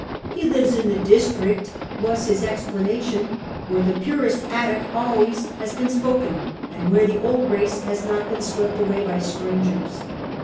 ' He lives in the district,^ was his explanation^ * where the purest Attic always has been spoken, and where the old race has not been swept away by strangers.'